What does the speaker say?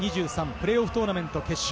プレーオフトーナメント決勝。